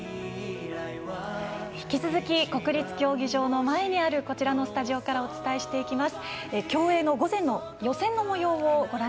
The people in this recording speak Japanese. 引き続き国立競技場の前にあるこちらのスタジオからお伝えしていきます。